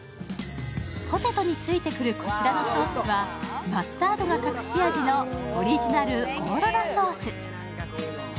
ポテトについてくるこちらのソースはマスタードが隠し味の、オリジナルオーロラソース。